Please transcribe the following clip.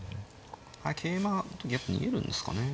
桂馬やっぱ逃げるんですかね。